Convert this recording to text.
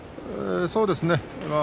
そうですね。